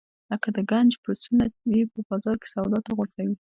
لکه د ګنج پسونه یې په بازار کې سودا ته غورځوي.